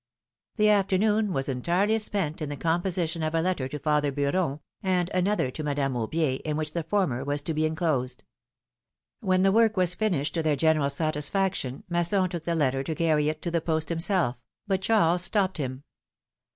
'^ The afternoon was entirely spent in the composition of a letter to father Beuron, and another to Madame Aubier, in which the former was to be enclosed. When the work was finished to their general satisfaction, Masson took the letter to carry it to the post himself, but Charles stopped him.